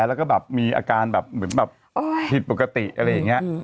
แล้วก็แบบมีอาการแบบเหมือนแบบผิดปกติอะไรอย่างนี้